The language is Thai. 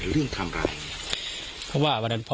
ถูกนับอาศัยไม่ได้เนอะ